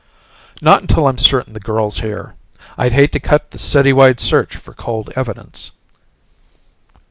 "Not until I'm certain the girl's here. I'd hate to cut the city wide search for cold evidence."